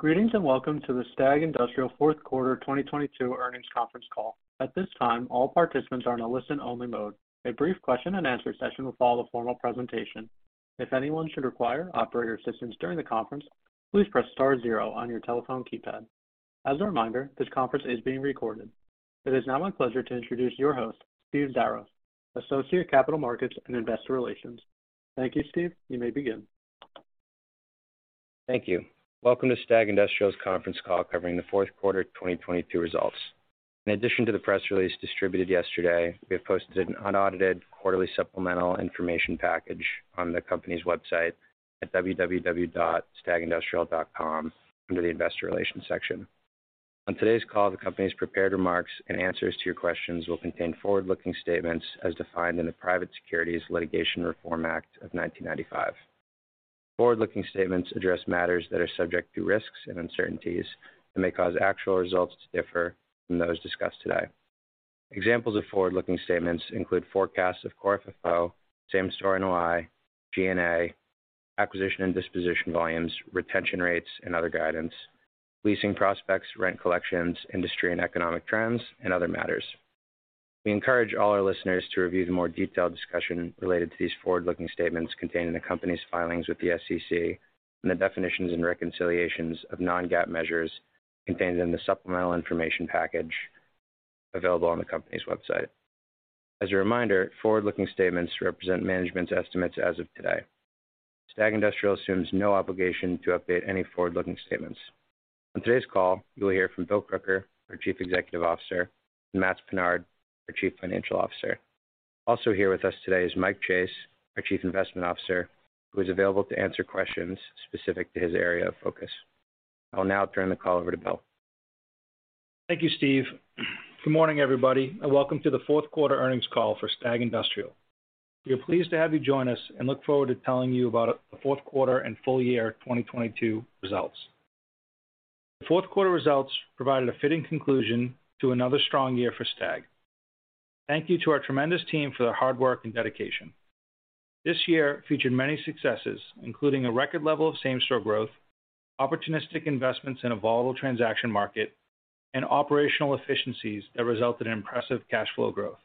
Greetings, welcome to the STAG Industrial fourth quarter 2022 earnings conference call. At this time, all participants are in a listen only mode. A brief question and answer session will follow the formal presentation. If anyone should require operator assistance during the conference, please press star 0 on your telephone keypad. As a reminder, this conference is being recorded. It is now my pleasure to introduce your host, Steve Xiarhos, Associate, Capital Markets and Investor Relations. Thank you, Steve. You may begin. Thank you. Welcome to STAG Industrial's conference call covering the fourth quarter 2022 results. In addition to the press release distributed yesterday, we have posted an unaudited quarterly supplemental information package on the company's website at www.stagindustrial.com under the Investor Relations section. On today's call, the company's prepared remarks and answers to your questions will contain forward-looking statements as defined in the Private Securities Litigation Reform Act of 1995. Forward-looking statements address matters that are subject to risks and uncertainties that may cause actual results to differ from those discussed today. Examples of forward-looking statements include forecasts of Core FFO, same-store NOI, G&A, acquisition and disposition volumes, retention rates and other guidance, leasing prospects, rent collections, industry and economic trends, and other matters. We encourage all our listeners to review the more detailed discussion related to these forward-looking statements contained in the company's filings with the SEC and the definitions and reconciliations of non-GAAP measures contained in the supplemental information package available on the company's website. As a reminder, forward-looking statements represent management's estimates as of today. STAG Industrial assumes no obligation to update any forward-looking statements. On today's call, you will hear from Bill Crooker, our Chief Executive Officer, and Matts Pinard, our Chief Financial Officer. Also here with us today is Mike Chase, our Chief Investment Officer, who is available to answer questions specific to his area of focus. I will now turn the call over to Bill. Thank you, Steve. Good morning, everybody, welcome to the fourth quarter earnings call for STAG Industrial. We are pleased to have you join us and look forward to telling you about the fourth quarter and full year 2022 results. The fourth quarter results provided a fitting conclusion to another strong year for STAG. Thank you to our tremendous team for their hard work and dedication. This year featured many successes, including a record level of same-store growth, opportunistic investments in a volatile transaction market, and operational efficiencies that resulted in impressive cash flow growth.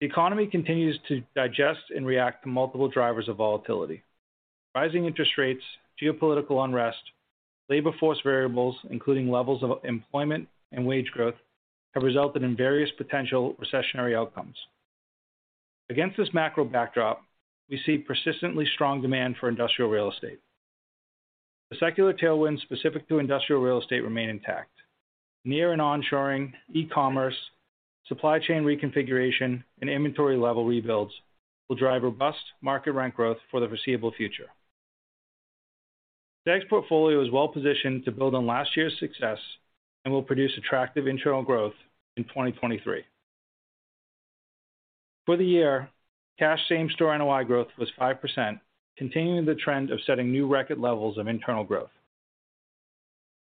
The economy continues to digest and react to multiple drivers of volatility. Rising interest rates, geopolitical unrest, labor force variables, including levels of employment and wage growth, have resulted in various potential recessionary outcomes. Against this macro backdrop, we see persistently strong demand for industrial real estate. The secular tailwinds specific to industrial real estate remain intact. Near and onshoring, e-commerce, supply chain reconfiguration, and inventory level rebuilds will drive robust market rent growth for the foreseeable future. STAG's portfolio is well-positioned to build on last year's success and will produce attractive internal growth in 2023. For the year, cash same-store NOI growth was 5%, continuing the trend of setting new record levels of internal growth.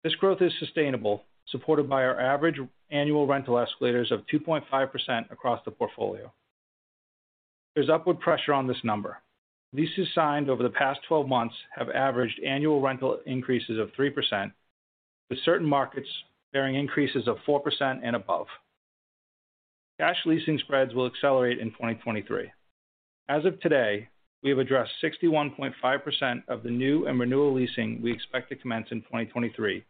This growth is sustainable, supported by our average annual rental escalators of 2.5% across the portfolio. There's upward pressure on this number. Leases signed over the past twelve months have averaged annual rental increases of 3%, with certain markets bearing increases of 4% and above. Cash leasing spreads will accelerate in 2023. As of today, we have addressed 61.5% of the new and renewal leasing we expect to commence in 2023,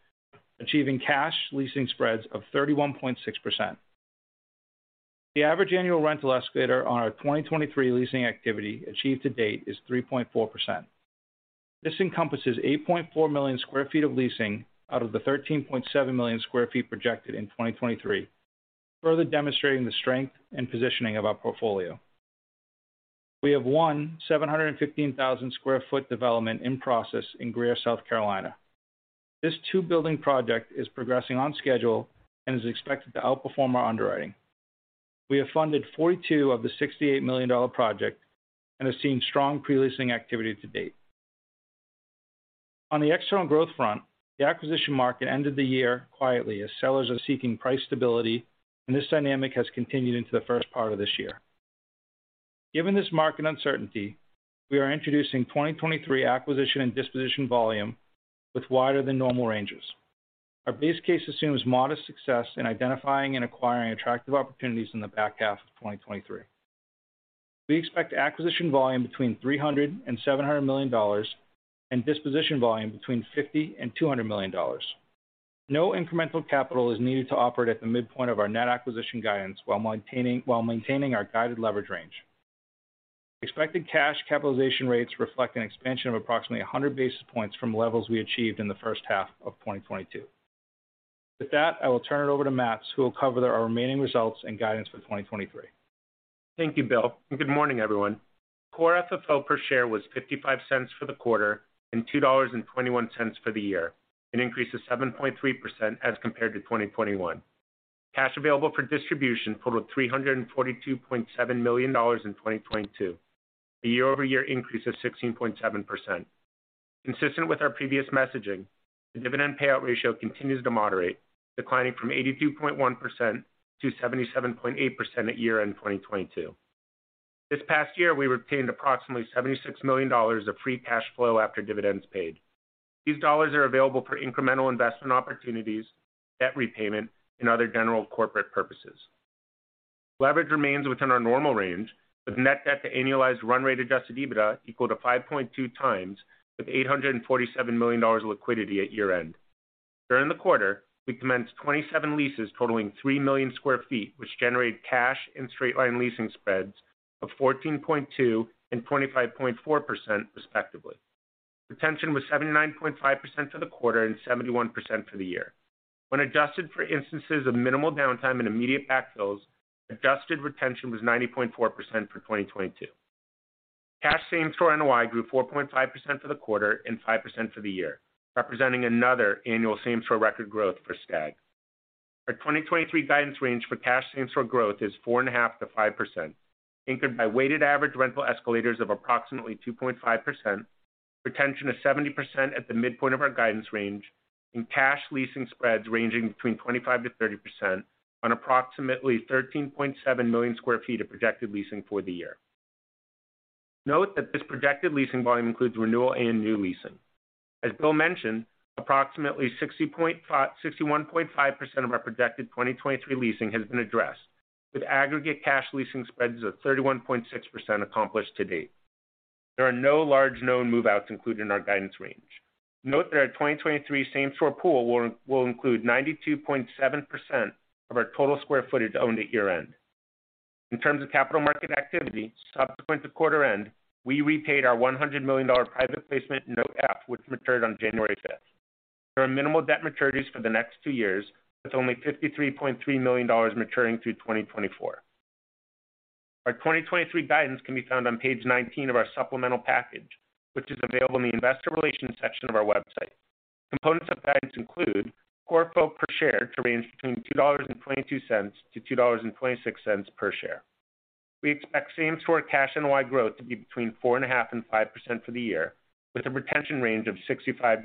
achieving cash leasing spreads of 31.6%. The average annual rental escalator on our 2023 leasing activity achieved to date is 3.4%. This encompasses 8.4 million sq ft of leasing out of the 13.7 million sq ft projected in 2023, further demonstrating the strength and positioning of our portfolio. We have 1,715,000 sq ft development in process in Greer, South Carolina. This two building project is progressing on schedule and is expected to outperform our underwriting. We have funded $42 of the $68 million project and have seen strong pre-leasing activity to date. On the external growth front, the acquisition market ended the year quietly as sellers are seeking price stability, and this dynamic has continued into the first part of this year. Given this market uncertainty, we are introducing 2023 acquisition and disposition volume with wider than normal ranges. Our base case assumes modest success in identifying and acquiring attractive opportunities in the back half of 2023. We expect acquisition volume between $300 million-$700 million and disposition volume between $50 million-$200 million. No incremental capital is needed to operate at the midpoint of our net acquisition guidance while maintaining our guided leverage range. Expected cash capitalization rates reflect an expansion of approximately 100 basis points from levels we achieved in the first half of 2022. With that, I will turn it over to Matt, who will cover our remaining results and guidance for 2023. Thank you, Bill, and good morning, everyone. Core FFO per share was $0.55 for the quarter and $2.21 for the year, an increase of 7.3% as compared to 2021. Cash available for distribution totaled $342.7 million in 2022, a year-over-year increase of 16.7%. Consistent with our previous messaging, the dividend payout ratio continues to moderate, declining from 82.1% to 77.8% at year-end 2022. This past year, we retained approximately $76 million of free cash flow after dividends paid. These dollars are available for incremental investment opportunities, debt repayment, and other general corporate purposes. Leverage remains within our normal range, with net debt to annualized run rate adjusted EBITDA equal to 5.2x, with $847 million of liquidity at year end. During the quarter, we commenced 27 leases totaling 3 million sq ft, which generated cash and straight-line leasing spreads of 14.2% and 25.4% respectively. Retention was 79.5% for the quarter and 71% for the year. When adjusted for instances of minimal downtime and immediate backfills, adjusted retention was 90.4% for 2022. Cash same-store NOI grew 4.5% for the quarter and 5% for the year, representing another annual same-store record growth for STAG. Our 2023 guidance range for cash same-store growth is 4.5%-5%, anchored by weighted average rental escalators of approximately 2.5%, retention of 70% at the midpoint of our guidance range, and cash leasing spreads ranging between 25%-30% on approximately 13.7 million sq ft of projected leasing for the year. Note that this projected leasing volume includes renewal and new leasing. As Bill mentioned, approximately 61.5% of our projected 2023 leasing has been addressed, with aggregate cash leasing spreads of 31.6% accomplished to date. There are no large known move-outs included in our guidance range. Note that our 2023 same-store pool will include 92.7% of our total square footage owned at year end. In terms of capital market activity, subsequent to quarter end, we repaid our $100 million private placement Note F, which matured on 5th January. There are minimal debt maturities for the next two years, with only $53.3 million maturing through 2024. Our 2023 guidance can be found on page nineteen of our supplemental package, which is available in the investor relations section of our website. Components of guidance include Core FFO per share to range between $2.22 - $2.26 per share. We expect same-store cash NOI growth to be between 4.5%-5% for the year, with a retention range of 65%-75%.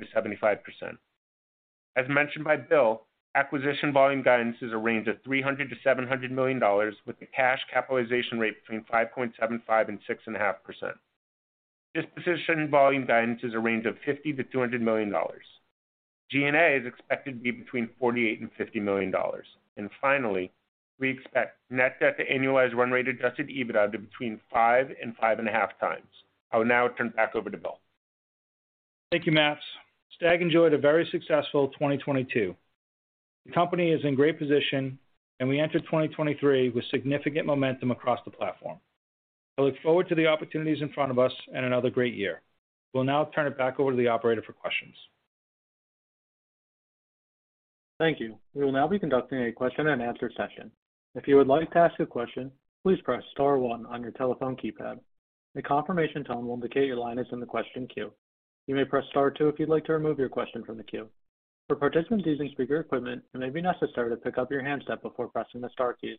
As mentioned by Bill, acquisition volume guidance is a range of $300 million-$700 million with a cash capitalization rate between 5.75% and 6.5%. Disposition volume guidance is a range of $50 million-$200 million. G&A is expected to be between $48 million and $50 million. Finally, we expect net debt to annualized run rated adjusted EBITDA to between 5 and 5.5 times. I will now turn it back over to Bill. Thank you, Matt. STAG enjoyed a very successful 2022. The company is in great position, and we entered 2023 with significant momentum across the platform. I look forward to the opportunities in front of us and another great year. We'll now turn it back over to the operator for questions. Thank you. We will now be conducting a question and answer session. If you would like to ask a question, please press star one on your telephone keypad. A confirmation tone will indicate your line is in the question queue. You may press star two if you'd like to remove your question from the queue. For participants using speaker equipment, it may be necessary to pick up your handset before pressing the star keys.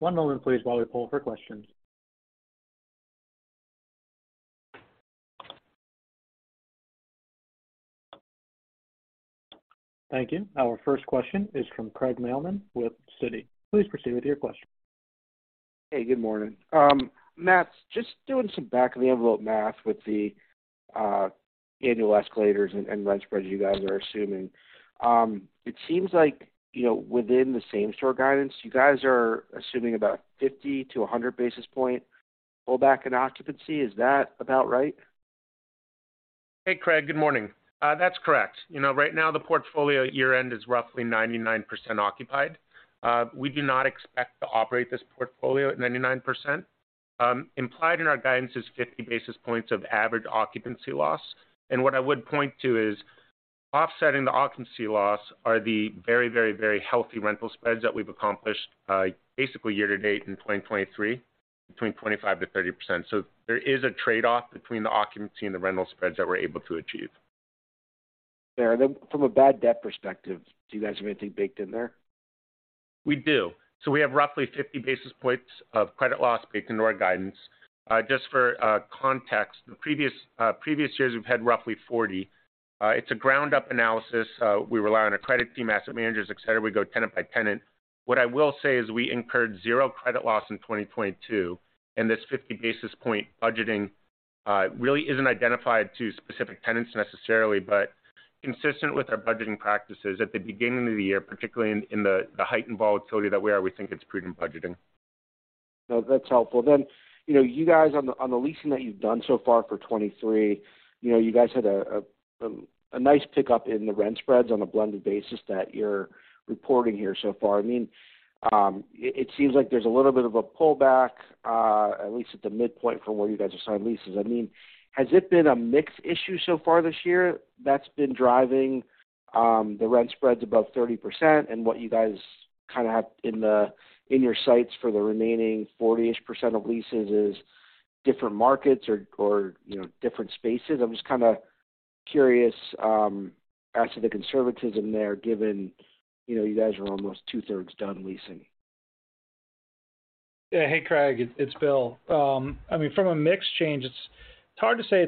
One moment please while we poll for questions. Thank you. Our first question is from Craig Mailman with Citi. Please proceed with your question. Hey, good morning. Matt, just doing some back of the envelope math with the annual escalators and rent spreads you guys are assuming, it seems within the same-store guidance, you guys are assuming about 50 to 100 basis point pullback in occupancy. Is that about right? Hey, Craig. Good morning. That's correct. You know, right now the portfolio at year end is roughly 99% occupied. We do not expect to operate this portfolio at 99%. Implied in our guidance is 50 basis points of average occupancy loss. What I would point to is offsetting the occupancy loss are the very, very, very healthy rental spreads that we've accomplished, basically year to date in 2023, between 25%-30%. There is a trade-off between the occupancy and the rental spreads that we're able to achieve. Yeah. Then from a bad debt perspective, do you guys have anything baked in there? We do. We have roughly 50 basis points of credit loss baked into our guidance. just for context, in previous years we've had roughly 40. It's a ground up analysis. We rely on our credit team, asset managers, et cetera. We go tenant by tenant. What I will say is we incurred zero credit loss in 2022, and this 50 basis point budgeting really isn't identified to specific tenants necessarily, but consistent with our budgeting practices at the beginning of the year, particularly in the heightened volatility that we are, we think it's prudent budgeting. No, that's helpful. You know, you guys on the leasing that you've done so far for 2023, you know, you guys had a nice pickup in the rent spreads on a blended basis that you're reporting here so far. I mean, it seems like there's a little bit of a pullback, at least at the midpoint from where you guys are signing leases. I mean, has it been a mix issue so far this year that's been driving the rent spreads above 30% and what you guys kind of have in your sights for the remaining 40%-ish of leases is different markets or, you know, different spaces? I'm just kind of curious as to the conservatism there given, you know, you guys are almost two-thirds done leasing. Yeah. Hey, Craig, it's Bill. I mean, from a mix change, it's hard to say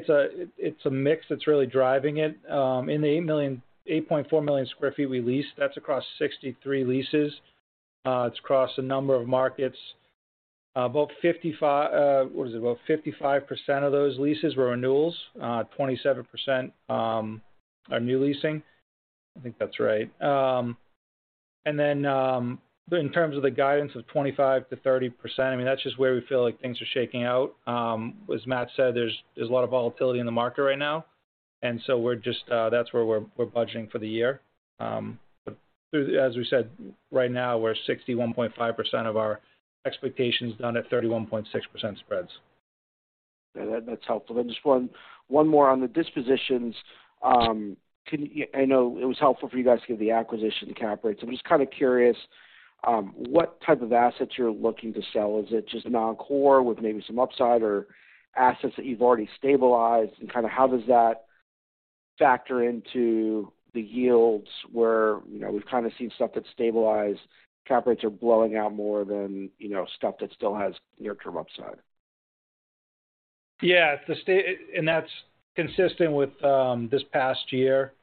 it's a mix that's really driving it. In the 8.4 million sq ft we lease, that's across 63 leases. It's across a number of markets, about 55% of those leases were renewals, 27% are new leasing. I think that's right. In terms of the guidance of 25%-30%, I mean, that's just where we feel like things are shaking out. As Matt said, there's a lot of volatility in the market right now, and so that's where we're budgeting for the year. As we said, right now, we're 61.5% of our expectations done at 31.6% spreads. Yeah, that's helpful. Just one more on the dispositions. I know it was helpful for you guys to give the acquisition cap rate. I'm just kind of curious what type of assets you're looking to sell. Is it just non-core with maybe some upside or assets that you've already stabilized? Kind of how does that factor into the yields where, you know, we've kind of seen stuff that's stabilized, cap rates are blowing out more than, you know, stuff that still has near term upside. Yeah. That's consistent with this past year.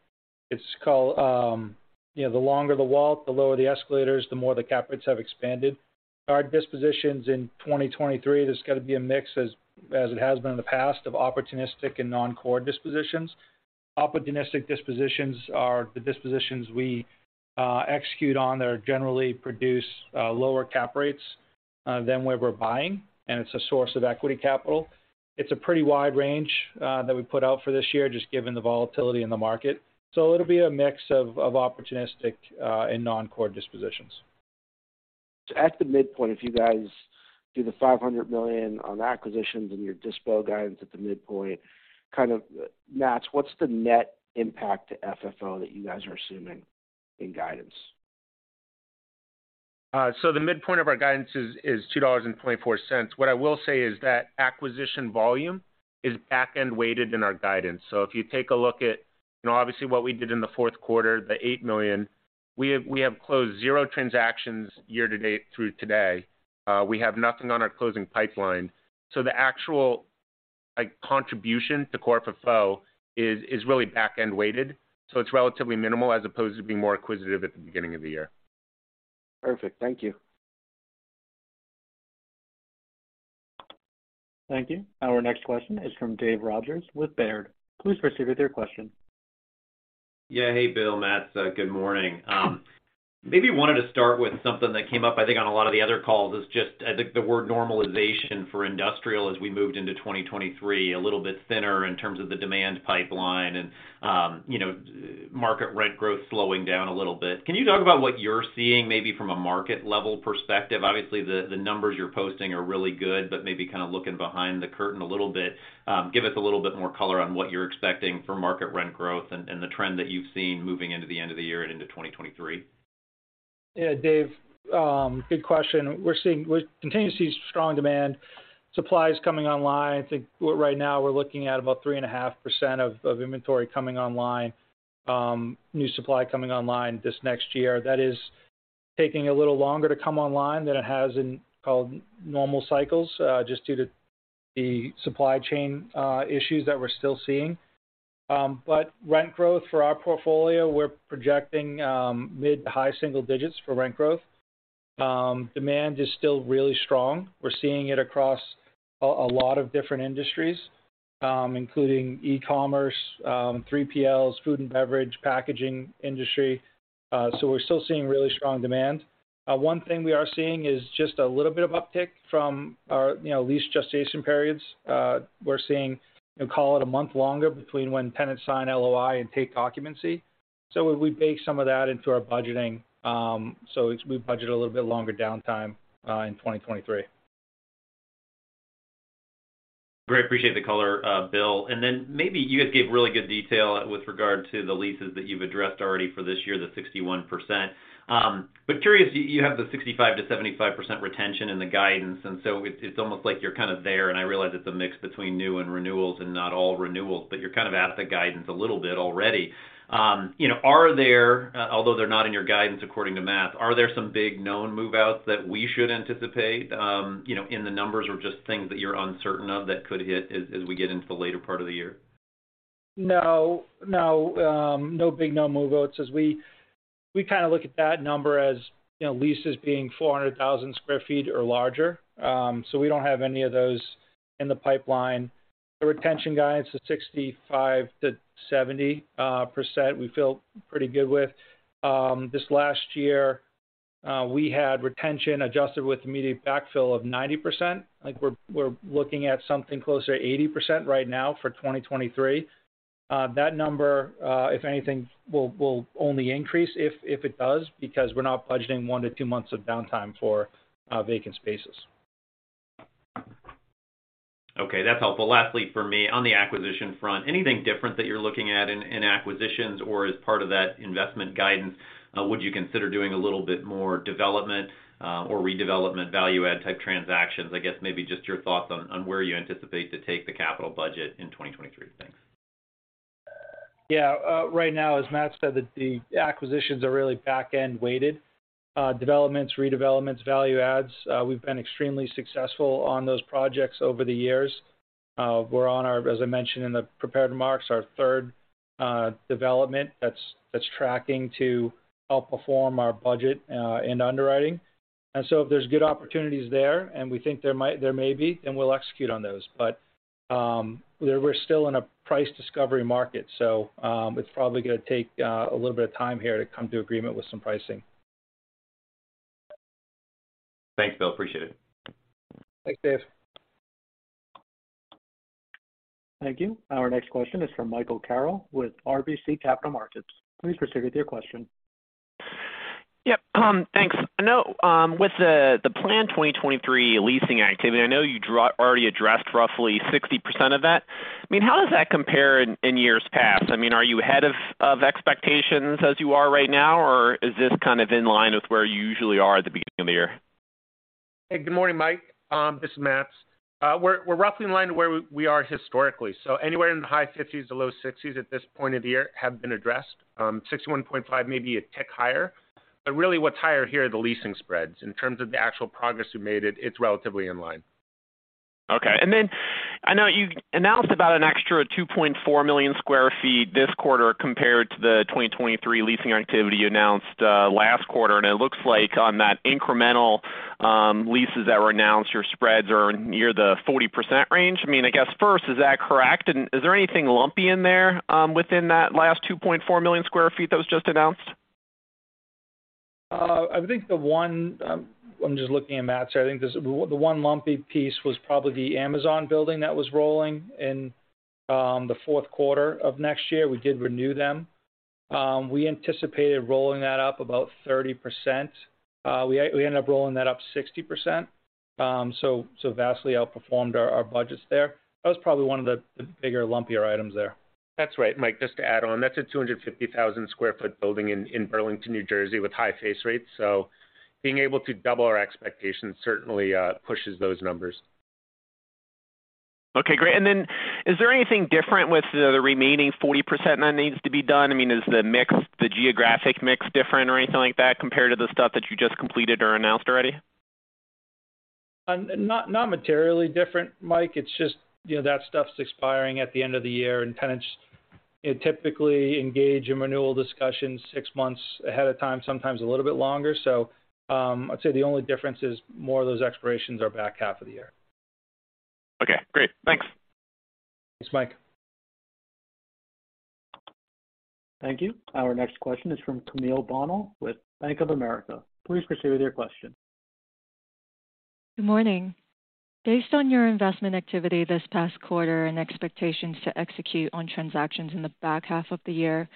It's called, you know, the longer the wallet, the lower the escalators, the more the cap rates have expanded. Our dispositions in 2023, there's gotta be a mix as it has been in the past, of opportunistic and non-core dispositions. Opportunistic dispositions are the dispositions we execute on that generally produce lower cap rates than where we're buying, and it's a source of equity capital. It's a pretty wide range that we put out for this year, just given the volatility in the market. It'll be a mix of opportunistic and non-core dispositions. At the midpoint, if you guys do the $500 million on acquisitions and your dispo guidance at the midpoint, kind of match what's the net impact to FFO that you guys are assuming in guidance? The midpoint of our guidance is $2.24. What I will say is that acquisition volume is back-end weighted in our guidance. If you take a look at, you know, obviously what we did in the fourth quarter, the $8 million, we have closed zero transactions year-to-date through today. We have nothing on our closing pipeline. The actual like contribution to Core FFO is really back-end weighted, so it's relatively minimal as opposed to being more acquisitive at the beginning of the year. Perfect. Thank you. Thank you. Our next question is from Dave Rodgers with Baird. Please proceed with your question. Hey, Bill, Matt. Good morning. maybe wanted to start with something that came up, I think on a lot of the other calls. Is just, I think the word normalization for industrial as we moved into 2023, a little bit thinner in terms of the demand pipeline and, you know, market rent growth slowing down a little bit. Can you talk about what you're seeing maybe from a market level perspective? Obviously, the numbers you're posting are really good, but maybe kind of looking behind the curtain a little bit, give us a little bit more color on what you're expecting for market rent growth and the trend that you've seen moving into the end of the year and into 2023. Yeah, Dave, good question. We're continuing to see strong demand. Supply is coming online. I think right now we're looking at about 3.5% of inventory coming online, new supply coming online this next year. That is taking a little longer to come online than it has in called normal cycles, just due to the supply chain issues that we're still seeing. Rent growth for our portfolio, we're projecting mid to high single digits for rent growth. Demand is still really strong. We're seeing it across a lot of different industries, including e-commerce, 3PLs, food and beverage, packaging industry. We're still seeing really strong demand. One thing we are seeing is just a little bit of uptick from our, you know, lease gestation periods. We're seeing, you know, call it a month longer between when tenants sign LOI and take occupancy. We bake some of that into our budgeting. We budget a little bit longer downtime in 2023. Great. Appreciate the color, Bill. Then maybe you guys gave really good detail with regard to the leases that you've addressed already for this year, the 61%. Curious, you have the 65%-75% retention in the guidance, it's almost like you're kind of there, and I realize it's a mix between new and renewals and not all renewals, but you're kind of at the guidance a little bit already. You know, are there, although they're not in your guidance according to Matt, are there some big known move-outs that we should anticipate, you know, in the numbers or just things that you're uncertain of that could hit as we get into the later part of the year? No. No. No big known move-outs as we kind of look at that number as, you know, leases being 400,000 square feet or larger. We don't have any of those in the pipeline. The retention guidance is 65%-70% we feel pretty good with. This last year, we had retention adjusted with immediate backfill of 90%. I think we're looking at something closer to 80% right now for 2023. That number, if anything will only increase if it does, because we're not budgeting 1-2 months of downtime for vacant spaces. Okay. That's helpful. Lastly for me, on the acquisition front, anything different that you're looking at in acquisitions or as part of that investment guidance? Would you consider doing a little bit more development or redevelopment, value-add type transactions? I guess maybe just your thoughts on where you anticipate to take the capital budget in 2023. Thanks. Yeah. Right now, as Matts said, the acquisitions are really back-end weighted. Developments, redevelopments, value adds, we've been extremely successful on those projects over the years. We're on our, as I mentioned in the prepared remarks, our third development that's tracking to outperform our budget and underwriting. If there's good opportunities there, and we think there may be, then we'll execute on those. We're still in a price discovery market, so it's probably gonna take a little bit of time here to come to agreement with some pricing. Thanks, Bill. Appreciate it. Thanks, Dave. Thank you. Our next question is from Michael Carroll with RBC Capital Markets. Please proceed with your question. Yep, thanks. I know, with the planned 2023 leasing activity, I know you already addressed roughly 60% of that. I mean, how does that compare in years past? I mean, are you ahead of expectations as you are right now, or is this kind of in line with where you usually are at the beginning of the year? Hey, good morning, Mike. This is Matt. We're roughly in line to where we are historically. Anywhere in the high 50s to low 60s at this point of the year have been addressed. 61.5 may be a tick higher. Really what's higher here are the leasing spreads. In terms of the actual progress we made it's relatively in line. Okay. I know you announced about an extra 2.4 million sq ft this quarter compared to the 2023 leasing activity you announced last quarter. It looks like on that incremental leases that were announced, your spreads are near the 40% range. I mean, I guess first, is that correct? Is there anything lumpy in there within that last 2.4 million sq ft that was just announced? I'm just looking at Matt, so I think the one lumpy piece was probably the Amazon building that was rolling in the fourth quarter of next year. We did renew them. We anticipated rolling that up about 30%. We ended up rolling that up 60%, so vastly outperformed our budgets there. That was probably one of the bigger, lumpier items there. That's right, Mike. Just to add on, that's a 250,000 sq ft building in Burlington, New Jersey, with high face rates. Being able to double our expectations certainly pushes those numbers. Okay, great. Is there anything different with the remaining 40% that needs to be done? I mean, is the mix, the geographic mix different or anything like that compared to the stuff that you just completed or announced already? Not materially different, Mike. It's just, you know, that stuff's expiring at the end of the year. Tenants, you know, typically engage in renewal discussions six months ahead of time, sometimes a little bit longer. I'd say the only difference is more of those expirations are back half of the year. Okay, great. Thanks. Thanks, Mike. Thank you. Our next question is from Camille Bonnell with Bank of America. Please proceed with your question. Good morning. Based on your investment activity this past quarter and expectations to execute on transactions in the back half of the year,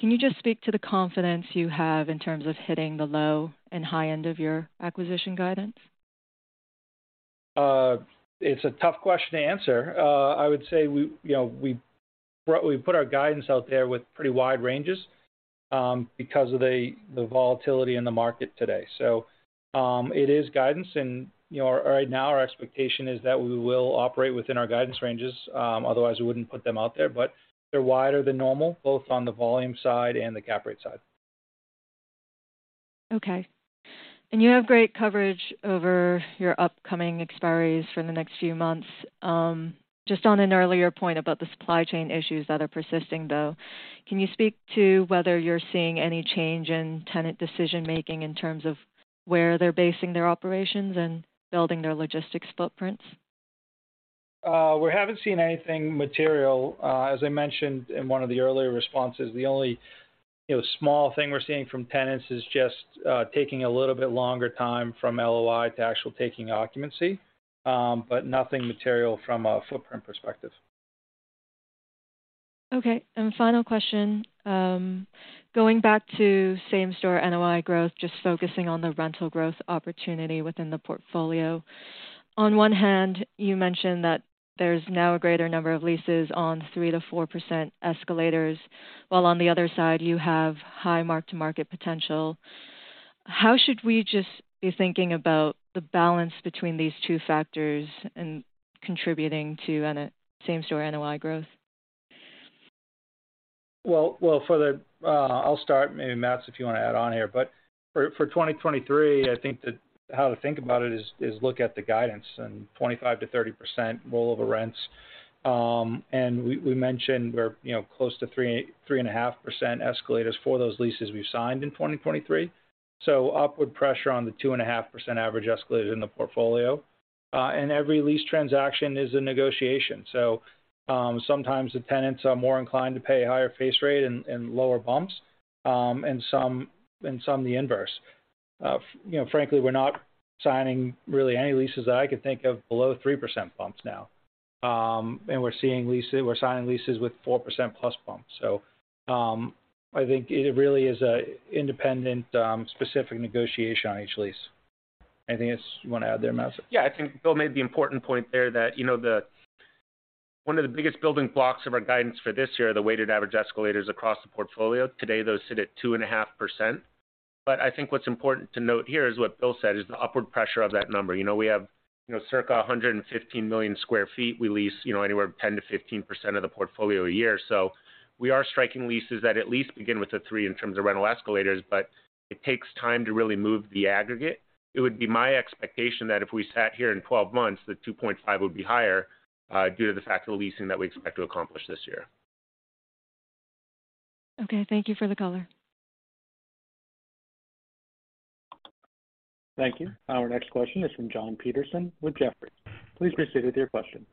can you just speak to the confidence you have in terms of hitting the low and high end of your acquisition guidance? It's a tough question to answer. I would say we, you know, we put our guidance out there with pretty wide ranges because of the volatility in the market today. It is guidance and,, right now our expectation is that we will operate within our guidance ranges, otherwise we wouldn't put them out there. They're wider than normal, both on the volume side and the cap rate side. Okay. You have great coverage over your upcoming expiries for the next few months. Just on an earlier point about the supply chain issues that are persisting, though, can you speak to whether you're seeing any change in tenant decision-making in terms of where they're basing their operations and building their logistics footprints? We haven't seen anything material. As I mentioned in one of the earlier responses, the only, you know, small thing we're seeing from tenants is just taking a little bit longer time from LOI to actual taking occupancy. Nothing material from a footprint perspective. Okay. Final question. Going back to same-store NOI growth, just focusing on the rental growth opportunity within the portfolio. On one hand, you mentioned that there's now a greater number of leases on 3%-4% escalators, while on the other side you have high mark-to-market potential. How should we just be thinking about the balance between these two factors in contributing to an same-store NOI growth? Well, for the, I'll start, maybe Matt, if you wanna add on here. For 2023, I think that how to think about it is look at the guidance and 25%-30% rollover rents. We mentioned we're, you know, close to 3.5% escalators for those leases we've signed in 2023. Upward pressure on the 2.5% average escalators in the portfolio. Every lease transaction is a negotiation. Sometimes the tenants are more inclined to pay a higher face rate and lower bumps, and some the inverse. You know, frankly, we're not signing really any leases that I can think of below 3% bumps now. We're signing leases with 4%+ bumps. I think it really is a independent, specific negotiation on each lease. Anything else you wanna add there, Matt? Yeah. I think Bill made the important point there that, one of the biggest building blocks of our guidance for this year are the weighted average escalators across the portfolio. Today, those sit at 2.5%. I think what's important to note here is what Bill said, is the upward pressure of that number. You know, we have, you know, circa 115 million sq ft. We lease, anywhere 10%-15% of the portfolio a year. We are striking leases that at least begin with the 3 in terms of rental escalators, but it takes time to really move the aggregate. It would be my expectation that if we sat here in twelve months, the 2.5 would be higher, due to the fact of the leasing that we expect to accomplish this year. Okay. Thank you for the color. Thank you. Our next question is from Jon Petersen with Jefferies. Please proceed with your question.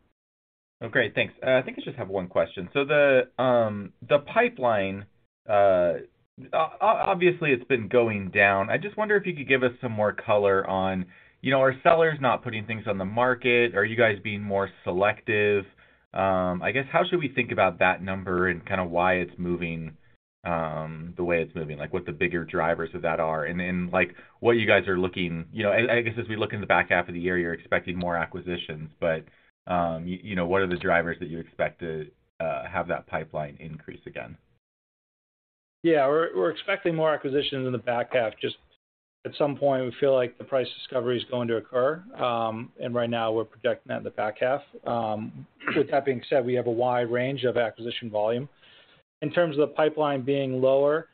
Great. Thanks. I think I just have one question. The pipeline, obviously it's been going down. I just wonder if you could give us some more color on, you know, are sellers not putting things on the market? Are you guys being more selective? I guess, how should we think about that number and kind of why it's moving the way it's moving? Like, what the bigger drivers of that are. Then, like, what you guys are looking. You know, I guess, as we look in the back half of the year, you're expecting more acquisitions, what are the drivers that you expect to have that pipeline increase again? Yeah. We're expecting more acquisitions in the back half. Just at some point, we feel like the price discovery is going to occur. Right now we're projecting that in the back half. With that being said, we have a wide range of acquisition volume. In terms of the pipeline being lower,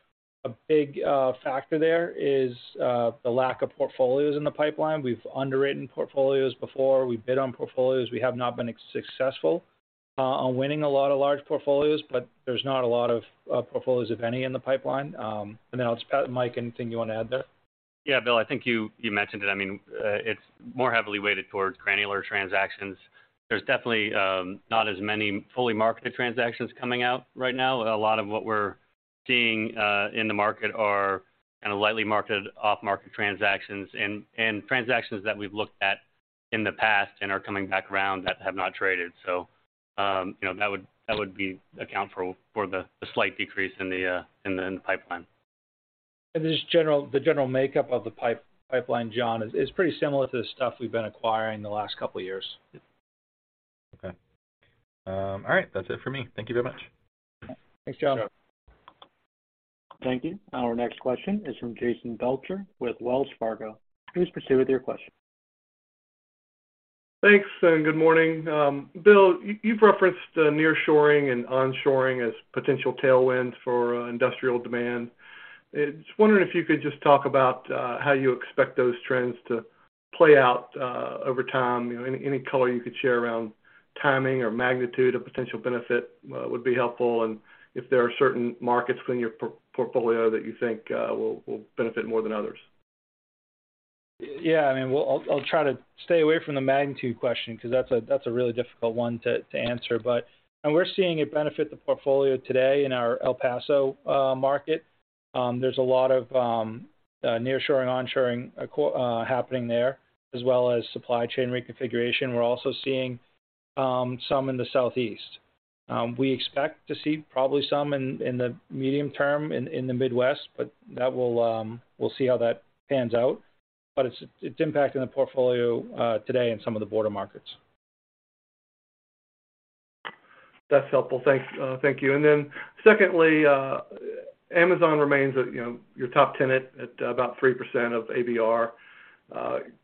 a big factor there is the lack of portfolios in the pipeline. We've underwritten portfolios before. We bid on portfolios. We have not been successful on winning a lot of large portfolios. There's not a lot of portfolios, if any, in the pipeline. Mike, anything you wanna add there? Yeah, Bill, I think you mentioned it. I mean, it's more heavily weighted towards granular transactions. There's definitely not as many fully marketed transactions coming out right now. A lot of what we're seeing in the market are kinda lightly marketed, off-market transactions and transactions that we've looked at in the past and are coming back around that have not traded. You know, that would be account for the slight decrease in the pipeline. Just the general makeup of the pipeline, Jon, is pretty similar to the stuff we've been acquiring the last couple of years. Okay. All right, that's it for me. Thank you very much. Thanks, Jon. Sure. Thank you. Our next question is from Jason Belcher with Wells Fargo. Please proceed with your question. Thanks. Good morning. Bill, you've referenced nearshoring and onshoring as potential tailwinds for industrial demand. Just wondering if you could just talk about how you expect those trends to play out over time. You know, any color you could share around timing or magnitude of potential benefit would be helpful. If there are certain markets within your portfolio that you think will benefit more than others. Yeah. I mean, I'll try to stay away from the magnitude question 'cause that's a really difficult one to answer. We're seeing it benefit the portfolio today in our El Paso market. There's a lot of nearshoring, onshoring happening there, as well as supply chain reconfiguration. We're also seeing some in the Southeast. We expect to see probably some in the medium term in the Midwest, but that will we'll see how that pans out. But it's impacting the portfolio today in some of the border markets. That's helpful. Thanks. Thank you. Secondly, Amazon remains, you know, your top tenant at about 3% of ABR.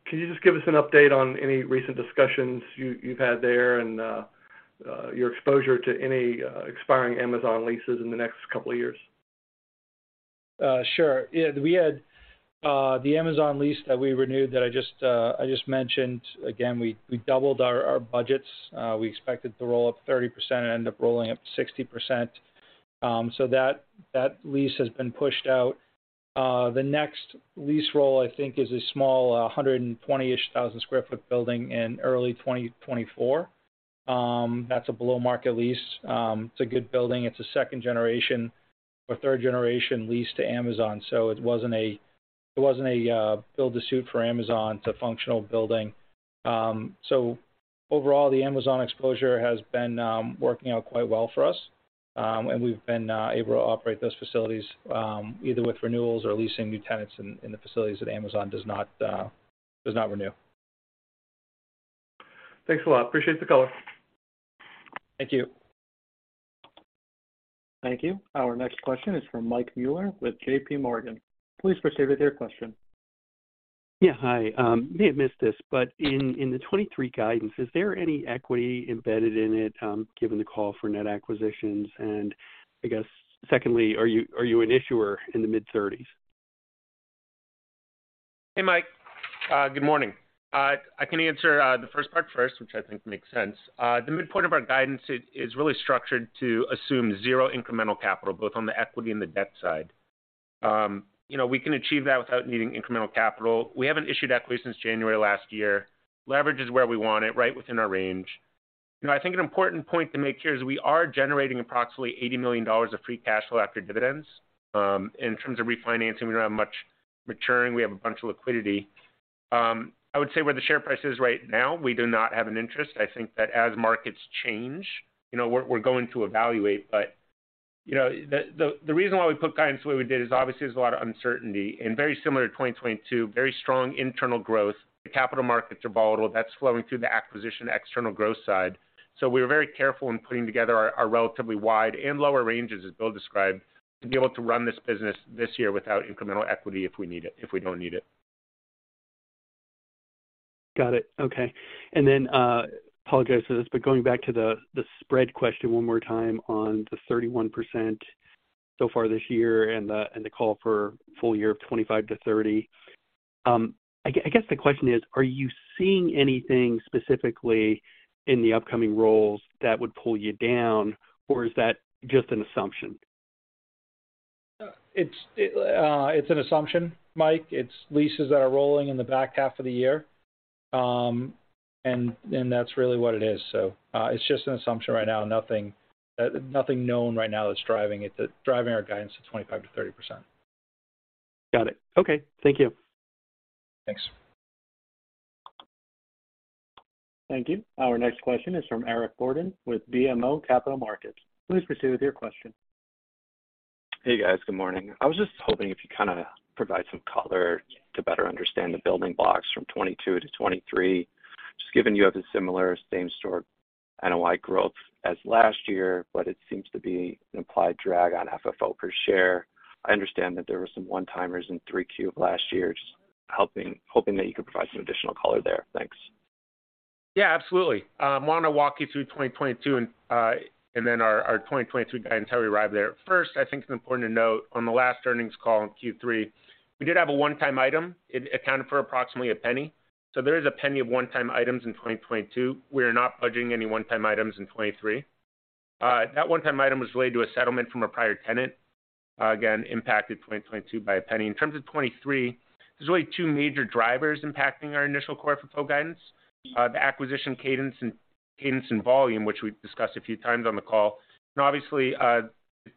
Can you just give us an update on any recent discussions you've had there and your exposure to any expiring Amazon leases in the next couple of years? Sure. Yeah, we had the Amazon lease that we renewed that I just mentioned. Again, we doubled our budgets. We expected to roll up 30% and ended up rolling up 60%. That lease has been pushed out. The next lease roll, I think, is a small 120-ish thousand sq ft building in early 2024. That's a below-market lease. It's a good building. It's a second generation or third generation lease to Amazon, so it wasn't a build-to-suit for Amazon. It's a functional building. Overall, the Amazon exposure has been working out quite well for us. We've been able to operate those facilities, either with renewals or leasing new tenants in the facilities that Amazon does not renew. Thanks a lot. Appreciate the color. Thank you. Thank you. Our next question is from Michael Mueller with JPMorgan. Please proceed with your question. Yeah. Hi. May have missed this, but in the 2023 guidance, is there any equity embedded in it, given the call for net acquisitions? I guess secondly, are you an issuer in the mid-30s? Hey, Mike. Good morning. I can answer the first part first, which I think makes sense. The midpoint of our guidance is really structured to assume zero incremental capital, both on the equity and the debt side. You know, we can achieve that without needing incremental capital. We haven't issued equity since January last year. Leverage is where we want it, right within our range. You know, I think an important point to make here is we are generating approximately $80 million of free cash flow after dividends. In terms of refinancing, we don't have much maturing. We have a bunch of liquidity. I would say where the share price is right now, we do not have an interest. I think that as markets change, we're going to evaluate. You know, the reason why we put guidance the way we did is obviously there's a lot of uncertainty. Very similar to 2022, very strong internal growth. The capital markets are volatile. That's flowing through the acquisition external growth side. We're very careful in putting together our relatively wide and lower ranges, as Bill described, to be able to run this business this year without incremental equity if we don't need it. Got it. Okay. Apologize for this, but going back to the spread question one more time on the 31% so far this year and the, and the call for full year of 25%-30%. I guess the question is, are you seeing anything specifically in the upcoming roles that would pull you down or is that just an assumption? It's an assumption, Mike. It's leases that are rolling in the back half of the year. That's really what it is. It's just an assumption right now. Nothing, nothing known right now that's driving our guidance to 25%-30%. Got it. Okay. Thank you. Thanks. Thank you. Our next question is from Eric Borden with BMO Capital Markets. Please proceed with your question. Hey, guys. Good morning. I was just hoping if you kind of provide some color to better understand the building blocks from 2022 to 2023, just given you have a similar same-store NOI growth as last year, but it seems to be an implied drag on FFO per share. I understand that there were some one-timers in 3Q of last year, just hoping that you could provide some additional color there. Thanks. Yeah, absolutely. Want to walk you through 2022 and then our 2022 guidance, how we arrived there. First, I think it's important to note on the last earnings call in Q3, we did have a one-time item. It accounted for approximately $0.01. There is $0.01 of one-time items in 2022. We are not budging any one-time items in 2023. That one-time item was related to a settlement from a prior tenant, again, impacted 2022 by $0.01. In terms of 2023, there's really two major drivers impacting our initial Core FFO guidance, the acquisition cadence and volume, which we've discussed a few times on the call. Obviously,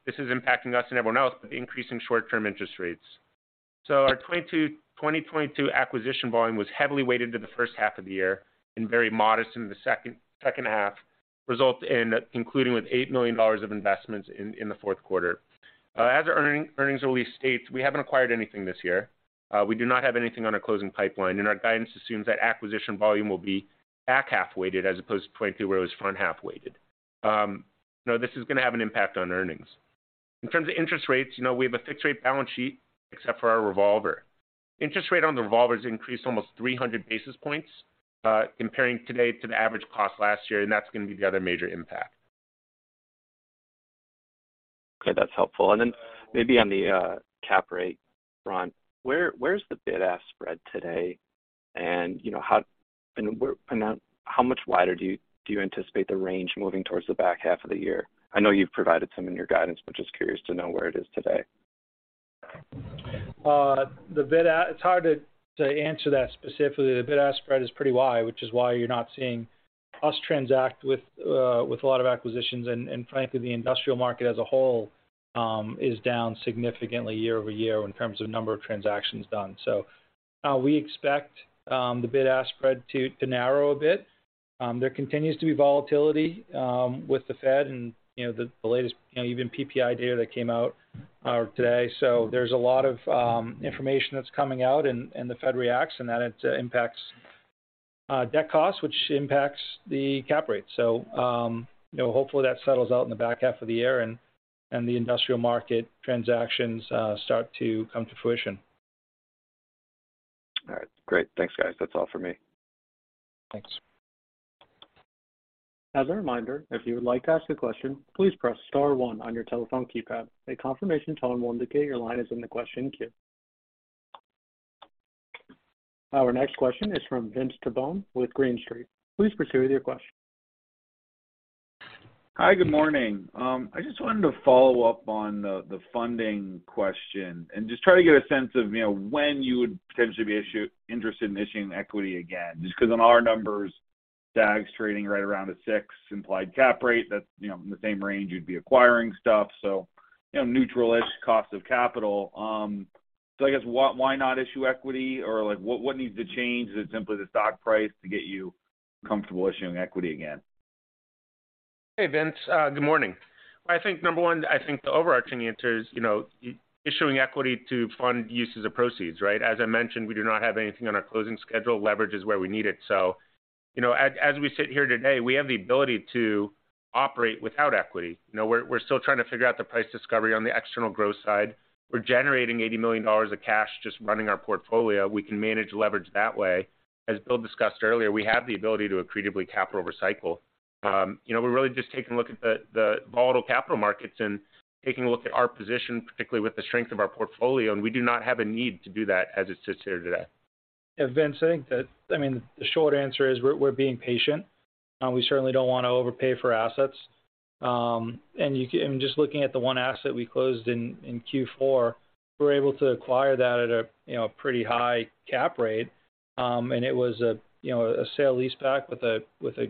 this is impacting us and everyone else, but the increase in short-term interest rates. Our 2022 acquisition volume was heavily weighted to the first half of the year and very modest in the second half, result in including with $8 million of investments in the fourth quarter. As our earnings are restated, we haven't acquired anything this year. We do not have anything on our closing pipeline, and our guidance assumes that acquisition volume will be back half weighted as opposed to 2022 where it was front half weighted. Now this is gonna have an impact on earnings. In terms of interest rates, we have a fixed rate balance sheet except for our revolver. Interest rate on the revolvers increased almost 300 basis points, comparing today to the average cost last year, and that's gonna be the other major impact. Okay, that's helpful. Then maybe on the cap rate front, where's the bid-ask spread today? You know, how and then how much wider do you anticipate the range moving towards the back half of the year? I know you've provided some in your guidance, but just curious to know where it is today. It's hard to answer that specifically. The bid-ask spread is pretty wide, which is why you're not seeing us transact with a lot of acquisitions. Frankly, the industrial market as a whole is down significantly year-over-year in terms of number of transactions done. We expect the bid-ask spread to narrow a bit. There continues to be volatility with the Fed and, you know, the latest,, even PPI data that came out today. There's a lot of information that's coming out and the Fed reacts, and then it impacts debt costs, which impacts the cap rate. You know, hopefully that settles out in the back half of the year and the industrial market transactions start to come to fruition. All right. Great. Thanks, guys. That's all for me. Thanks. As a reminder, if you would like to ask a question, please press star one on your telephone keypad. A confirmation tone will indicate your line is in the question queue. Our next question is from Vince Tibone with Green Street. Please proceed with your question. Hi, good morning. I just wanted to follow up on the funding question and just try to get a sense of, when you would potentially be interested in issuing equity again. Just 'cause on our numbers, STAG's trading right around a 6 implied cap rate, that's in the same range you'd be acquiring stuff. You know, neutral-ish cost of capital. I guess why not issue equity or like what needs to change is it simply the stock price to get you comfortable issuing equity again? Hey, Vince. Good morning. I think number one, I think the overarching answer is issuing equity to fund uses of proceeds, right? As I mentioned, we do not have anything on our closing schedule. Leverage is where we need it. As we sit here today, we have the ability to operate without equity. We're still trying to figure out the price discovery on the external growth side. We're generating $80 million of cash just running our portfolio. We can manage leverage that way. As Bill discussed earlier, we have the ability to accretively capital recycle. We're really just taking a look at the volatile capital markets and taking a look at our position, particularly with the strength of our portfolio, we do not have a need to do that as it sits here today. Vince, I mean, the short answer is we're being patient. We certainly don't wanna overpay for assets. Just looking at the one asset we closed in Q4, we're able to acquire that at a, you know, pretty high cap rate. It was a, you know, a sale leaseback with a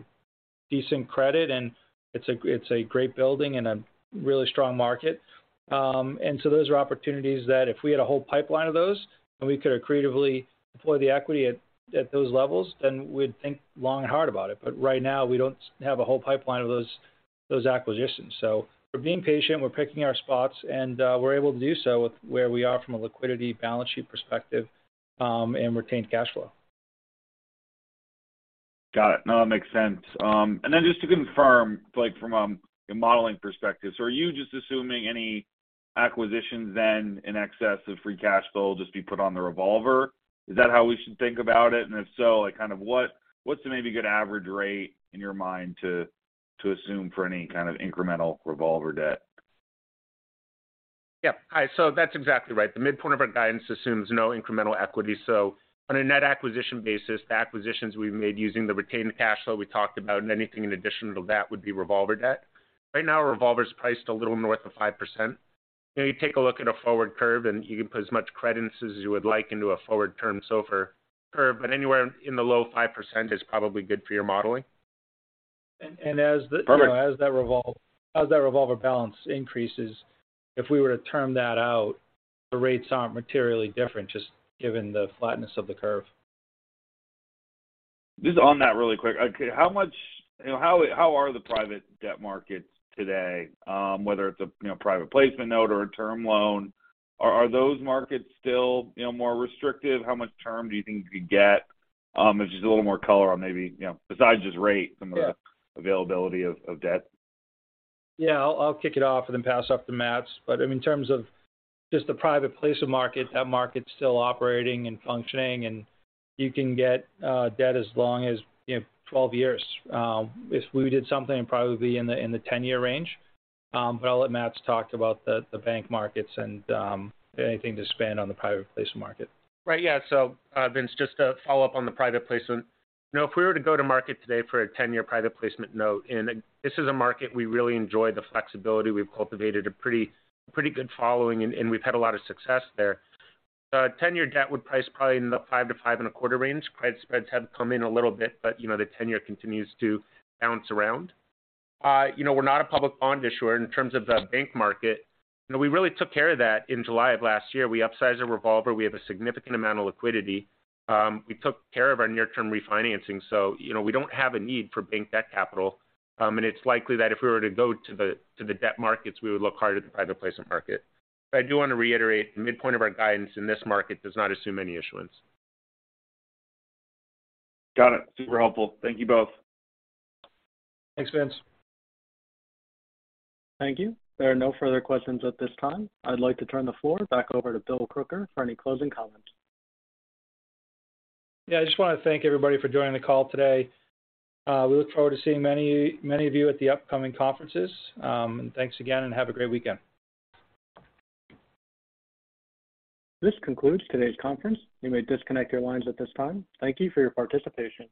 decent credit, and it's a great building in a really strong market. So those are opportunities that if we had a whole pipeline of those and we could accretively deploy the equity at those levels, then we'd think long and hard about it. Right now, we don't have a whole pipeline of those acquisitions. We're being patient, we're picking our spots, and, we're able to do so with where we are from a liquidity balance sheet perspective, and retained cash flow. Got it. No, that makes sense. Just to confirm, like from a modeling perspective. Are you just assuming any acquisitions then in excess of free cash flow will just be put on the revolver? Is that how we should think about it? If so, like kind of what's the maybe good average rate in your mind to assume for any kind of incremental revolver debt? Yeah. That's exactly right. The midpoint of our guidance assumes no incremental equity. On a net acquisition basis, the acquisitions we've made using the retained cash flow we talked about and anything in addition to that would be revolver debt. Right now, revolver's priced a little north of 5%. You know, you take a look at a forward curve, and you can put as much credence as you would like into a forward term SOFR curve, but anywhere in the low 5% is probably good for your modeling. And, and as the- Perfect. You know, as that revolver balance increases, if we were to term that out, the rates aren't materially different, just given the flatness of the curve. Just on that really quick. Okay. You know, how are the private debt markets today? Whether it's a, private placement Note or a term loan, are those markets still, more restrictive? How much term do you think you could get? If you could give a little more color on maybe besides just rate, some of the Yeah. availability of debt. I'll kick it off and then pass off to Matt. In terms of just the private placement market, that market's still operating and functioning, and you can get debt as long as, twelve years. If we did something, it'd probably be in the 10-year range. I'll let Matt talk about the bank markets and anything to spend on the private placement market. Right. Yeah. Vince, just to follow up on the private placement. You know, if we were to go to market today for a ten-year private placement note, and this is a market we really enjoy the flexibility. We've cultivated a pretty good following, and we've had a lot of success there. The ten-year debt would price probably in the 5% to 5.25% range. Credit spreads have come in a little bit, but, the tenure continues to bounce around. You know, we're not a public bond issuer in terms of the bank market. You know, we really took care of that in July of last year. We upsized a revolver. We have a significant amount of liquidity. We took care of our near-term refinancing, so we don't have a need for bank debt capital. It's likely that if we were to go to the debt markets, we would look hard at the private placement market. I do wanna reiterate, the midpoint of our guidance in this market does not assume any issuance. Got it. Super helpful. Thank you both. Thanks, Vince. Thank you. There are no further questions at this time. I'd like to turn the floor back over to Bill Crooker for any closing comments. Yeah. I just wanna thank everybody for joining the call today. We look forward to seeing many, many of you at the upcoming conferences. Thanks again, and have a great weekend. This concludes today's conference. You may disconnect your lines at this time. Thank you for your participation.